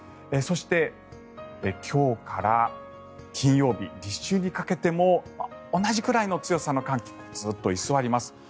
そして、今日から金曜日立春にかけても同じくらいの強さの寒気がずっと居座ります。